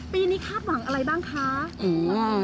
ปีนี้คาดหวังอะไรบ้างคะ